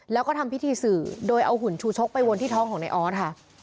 แล้วก็ทำพิธีสื่อโดยเอาหุ่นชูชกไปวนที่ท้องของในออสค่ะ